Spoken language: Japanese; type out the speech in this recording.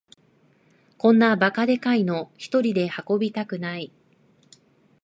こんなバカでかいのひとりで運びたくない